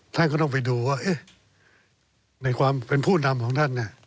ท่านก็ต้องไปดูว่าในความเป็นผู้นำของท่าน